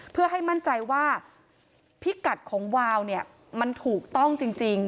เพื่อให้มั่นใจว่าพิกัดของวาวเนี่ยมันถูกต้องจริง